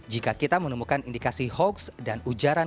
jika kita menemukan indikasi hoaks dan ujaran